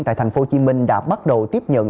tại tp hcm đã bắt đầu tiếp nhận